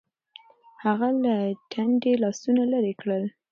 هغه له ټنډې لاسونه لرې کړل. .